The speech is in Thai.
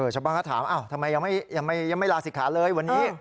ชาวบ้านก็ถามทำไมยังไม่ลาศิกขาเลยวันนี้